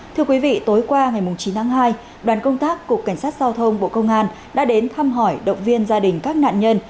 thưa quý vị tối qua ngày chín tháng hai đoàn công tác cục cảnh sát giao thông bộ công an đã đến thăm hỏi động viên gia đình các nạn nhân